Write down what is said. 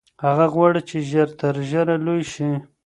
هغه غواړي چې ژر تر ژره لوی شي.